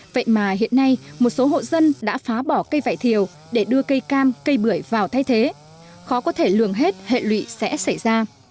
vậy mà hiện nay một số hộ dân đã phá bỏ cây vải thiều để đưa cây cam cây bưởi vào thay thế khó có thể lường hết hệ lụy sẽ xảy ra